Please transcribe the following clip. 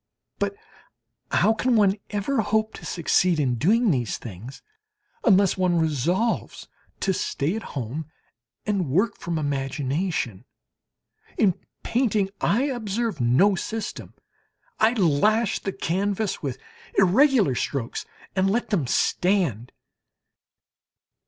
But how can one ever hope to succeed in doing these things unless one resolves to stay at home and to work from imagination? In painting I observe no system; I lash the canvas with irregular strokes and let them stand.